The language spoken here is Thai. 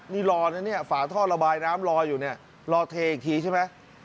มีฝาท่อระบายน้ำรออยู่เนี่ยรอเทอีกทีใช่ไหม